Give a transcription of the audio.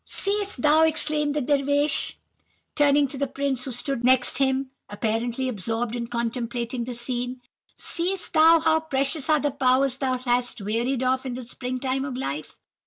"'Seest thou!' exclaimed the Dervish, turning to the prince who stood next him, apparently absorbed in contemplating the scene. 'Seest thou how precious are the powers thou hast wearied of in the spring time of life?